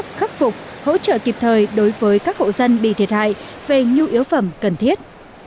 khắc phục hỗ trợ kịp thời đối với các hộ dân bị thiệt hại về nhu yếu phẩm cần thiết